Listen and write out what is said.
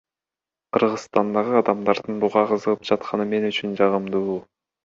Кыргызстандагы адамдардын буга кызыгып жатканы мен үчүн жагымдуу.